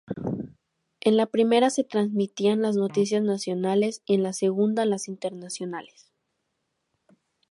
En la primera se transmitían las noticias nacionales y en la segunda las internacionales.